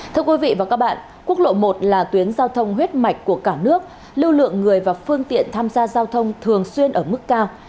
thưa quý vị và các bạn quốc lộ một là tuyến giao thông huyết mạch của cả nước lưu lượng người và phương tiện tham gia giao thông thường xuyên ở mức cao